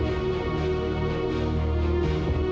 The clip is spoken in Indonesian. muh generated majid